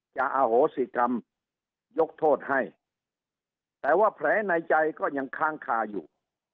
อโหสิกรรมยกโทษให้แต่ว่าแผลในใจก็ยังค้างคาอยู่